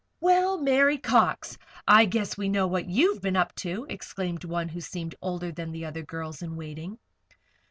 "Well, Mary Cox! I guess we know what you've been up to," exclaimed one who seemed older than the other girls in waiting.